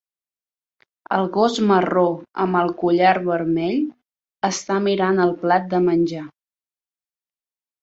El gos marró amb el collar vermell està mirant el plat de menjar.